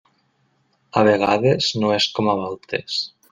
A vegades no és com a voltes.